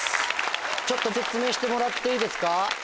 ちょっと説明してもらっていいですか？